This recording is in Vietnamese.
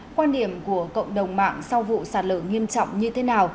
quan điểm của cộng đồng mạng sau vụ sạt lở nghiêm trọng như thế nào